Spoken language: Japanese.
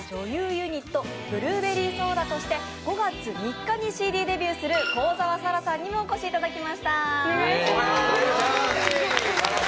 ユニットブルーベリーソーダとして５月３日にＣＤデビューする幸澤沙良さんにもお越しいただきました。